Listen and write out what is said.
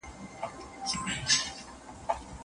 هغه ليکوال چي رښتيا ليکي د ستاينې وړ دی.